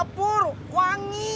enggak buruk wangi